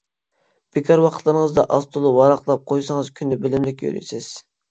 بىكار ۋاقىتلىرىڭىزدا ئاز-تولا ۋاراقلاپ قويسىڭىز «كۈندە بىلىملىك يۈرىسىز» .